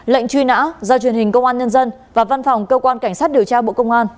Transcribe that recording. lệnh truy nã do truyền hình công an nhân dân và văn phòng cơ quan cảnh sát điều tra bộ công an